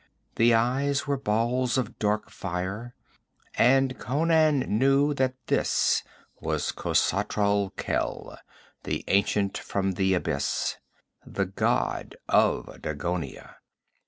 The eyes were balls of dark fire. And Conan knew that this was Khosatral Khel, the ancient from the Abyss, the god of Dagonia.